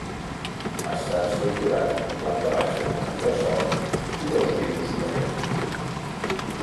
Està estructurat en planta baixa, entresòl i dos pisos superiors.